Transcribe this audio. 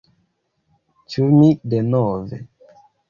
Ĉu mi denove...